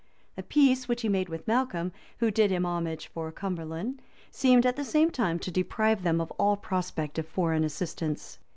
A peace which he made with Malcolm, who did him homage for Cumberland, seemed at the same time to deprive them of all prospect of foreign assistance.